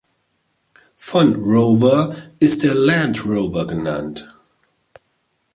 Von Rover ist der Land Rover genannt.